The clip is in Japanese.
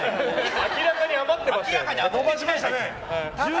明らかに余ってましたよ